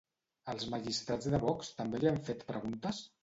Els magistrats de Vox també li han fet preguntes?